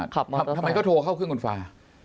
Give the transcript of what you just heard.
ทำไมเขาโทรเข้าเครื่องกลุ่นฟ้า